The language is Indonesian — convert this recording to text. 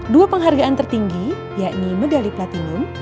dua penghargaan tertinggi yakni medali platinum